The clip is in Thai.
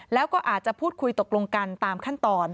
แล้วก็อาจจะพูดคุยตกลงกันตามขั้นตอน